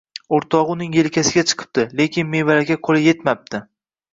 Oʻrtogʻi uning yelkasiga chiqibdi, lekin mevalarga qoʻli yetmabdi